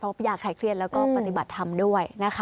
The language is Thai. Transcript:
เพราะว่าอยากไทยเครียดแล้วก็ปฏิบัติทำด้วย